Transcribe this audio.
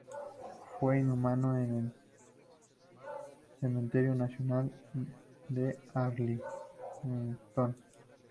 Fue inhumado en el Cementerio Nacional de Arlington.